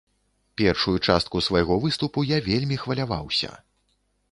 Першую частку свайго выступу я вельмі хваляваўся.